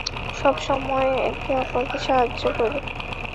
সবসময় একে অপরকে সাহায্য করি।